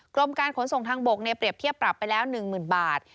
กรมการขนส่งทางบกเปรียบเทียบปรับไปแล้ว๑๐๐๐บาท